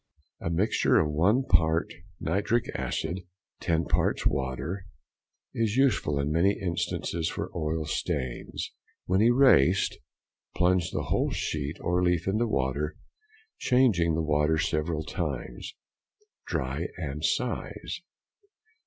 A mixture of 1 part nitric acid, 10 parts water, is useful in many instances for oil stains. When erased, plunge the whole sheet or leaf into water, changing the water several times. Dry and size.